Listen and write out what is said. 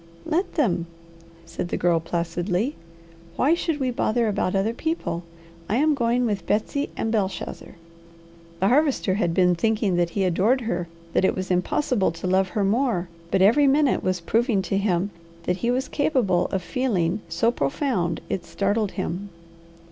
"Let them!" said the Girl placidly. "Why should we bother about other people? I am going with Betsy and Belshazzar." The Harvester had been thinking that he adored her, that it was impossible to love her more, but every minute was proving to him that he was capable of feeling so profound it startled him.